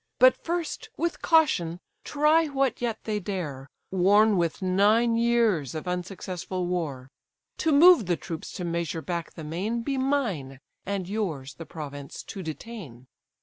But first, with caution, try what yet they dare, Worn with nine years of unsuccessful war. To move the troops to measure back the main, Be mine; and yours the province to detain."